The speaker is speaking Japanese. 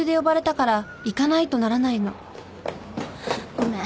ごめん。